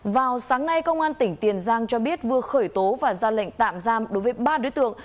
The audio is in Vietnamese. vào sáng nay công an tỉnh tiền giang cho biết vừa khởi tố và ra lệnh tạm giam đối với ba đối tượng